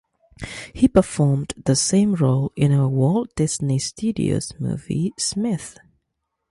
He performed the same role in a Walt Disney Studios movie Smith!